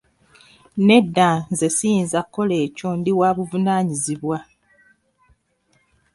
Nedda nze siyinza kukola ekyo ndi wa buvunaanyizibwa.